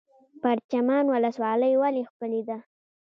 پرچمن ولسوالۍ ولې ښکلې ده؟